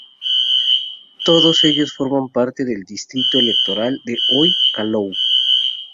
Todos ellos forman parte del distrito electoral de Ol Kalou.